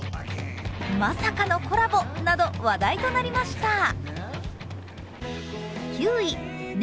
まさかのコラボなど話題となりました。